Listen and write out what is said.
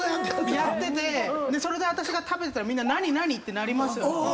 ⁉それで私が食べてたらみんな「何？何⁉」ってなりますよね。